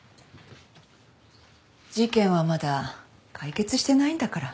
事件はまだ解決してないんだから。